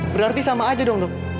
berarti sama aja dong dok